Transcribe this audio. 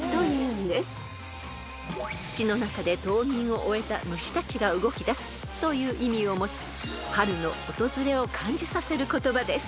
［「土の中で冬眠を終えた虫たちが動きだす」という意味を持つ春の訪れを感じさせる言葉です］